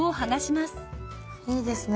いいですね。